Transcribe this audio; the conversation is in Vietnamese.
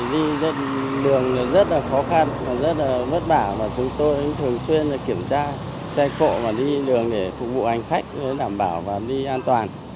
đi đường rất là khó khăn và rất là vất bảo và chúng tôi thường xuyên kiểm tra xe cộ và đi đường để phục vụ anh khách để đảm bảo và đi an toàn